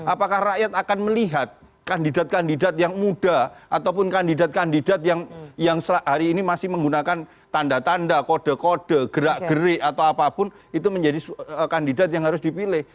apakah rakyat akan melihat kandidat kandidat yang muda ataupun kandidat kandidat yang hari ini masih menggunakan tanda tanda kode kode gerak gerik atau apapun itu menjadi kandidat yang harus dipilih